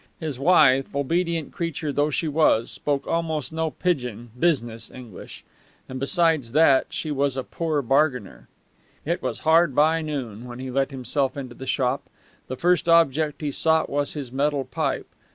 His wife, obedient creature though she was, spoke almost no pidgin business English; and besides that, she was a poor bargainer. It was hard by noon when he let himself into the shop. The first object he sought was his metal pipe.